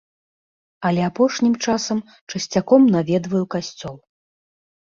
Але апошнім часам часцяком наведваю касцёл.